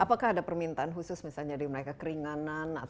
apakah ada permintaan khusus misalnya dari mereka keringanan